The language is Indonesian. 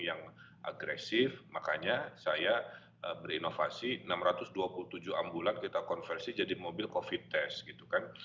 yang agresif makanya saya berinovasi enam ratus dua puluh tujuh ambulan kita konversi jadi mobil covid test gitu kan